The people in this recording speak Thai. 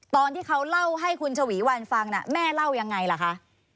ตอนที่เขาเล่าให้คุณชวีวันฟังแม่เล่ายังไงล่ะคะ